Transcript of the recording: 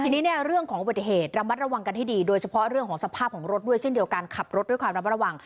กินร่างของบทเหตุระวังกันให้ดีโดยเฉพาะเรื่องของสภาพของลดด้วยเช่นเดียวกันคบรถของรักวัว